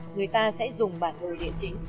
người ta sẽ dùng bản đồ địa chính